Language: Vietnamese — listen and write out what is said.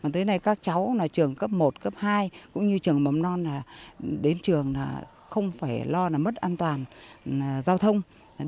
tới nay các cháu trường cấp một cấp hai cũng như trường mầm non đến trường không phải lo mất an toàn giao thông